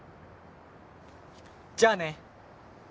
じゃあね。